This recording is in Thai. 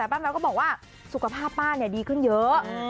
ป้าแมวก็บอกว่าสุขภาพป้าดีขึ้นเยอะ